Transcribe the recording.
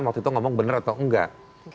waktu itu ngomong benar atau enggak